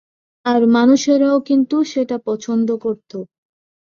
আর মানুষেরাও কিন্তু সেটা পছন্দ করত।